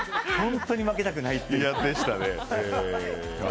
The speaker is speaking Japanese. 本当に負けたくないっていう。